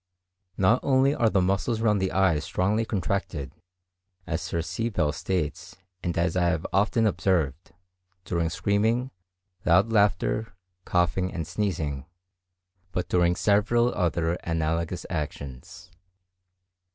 Not only are the muscles round the eyes strongly contracted, as Sir C. Bell states and as I have often observed, during screaming, loud laughter, coughing, and sneezing, but during several other analogous actions.